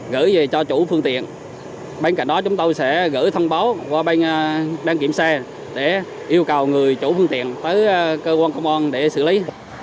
gửi về cho chủ phương tiện bên cạnh đó chúng tôi sẽ gửi thông báo qua bên đăng kiểm xe để yêu cầu người chủ phương tiện tới cơ quan công an để xử lý